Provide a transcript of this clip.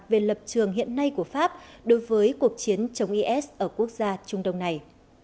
về lập trường hiện nay của pháp đối với cuộc chiến chống is ở quốc gia trung đông này